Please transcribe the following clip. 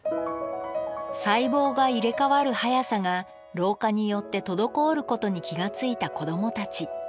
細胞が入れ替わる速さが老化によって滞ることに気が付いた子どもたち。